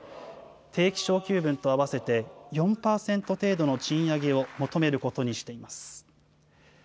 定期昇給分と合わせて、４％程度の賃上げを求めることにしています。